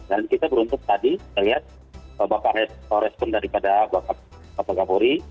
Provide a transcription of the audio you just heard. dan kita beruntuk tadi kita lihat bapak respon daripada bapak kapolri